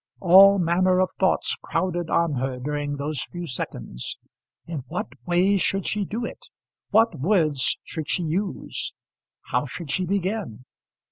All manner of thoughts crowded on her during those few seconds. In what way should she do it? What words should she use? How should she begin?